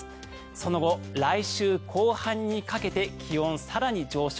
その後、来週後半にかけて気温、更に上昇。